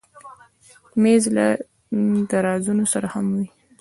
مېز له درازونو سره هم وي.